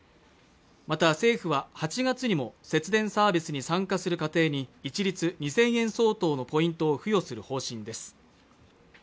また政府は８月にも節電サービスに参加する家庭に一律２０００円相当のポイントを付与する方針です